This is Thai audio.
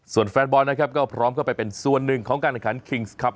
ส่วนแฟนฟุตบอลนะครับก็พร้อมไปเป็นส่วนหนึ่งของการเนื้อขันฮิงส์คลับ